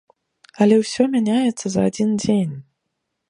Але ўсё мяняецца за адзін дзень.